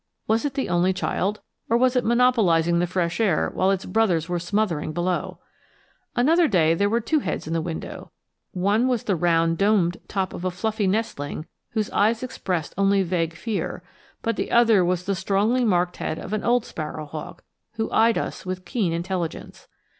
Was it the only child, or was it monopolizing the fresh air while its brothers were smothering below? Another day there were two heads in the window; one was the round domed, top of a fluffy nestling whose eyes expressed only vague fear; but the other was the strongly marked head of an old sparrow hawk, who eyed us with keen intelligence.